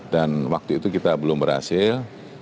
dan waktu itu kita belum berhasil